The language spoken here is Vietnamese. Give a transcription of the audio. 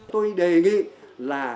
tôi đề nghị là